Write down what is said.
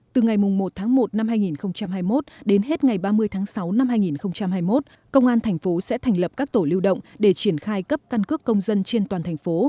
từ ngày một một hai nghìn hai mươi một đến hết ngày ba mươi sáu hai nghìn hai mươi một công an thành phố sẽ thành lập các tổ lưu động để triển khai cấp càn cước công dân trên toàn thành phố